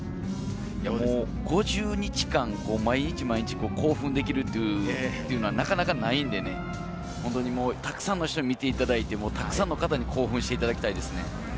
５０日間、毎日毎日、興奮できるというのはなかなかないので、本当にたくさんの人に見ていただいて、たくさんの方に興奮していただきたいですね。